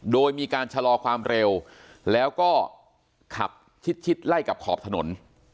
โดยมีการชะลอความเร็วแล้วก็ขับชิดไล่กับขอบถนน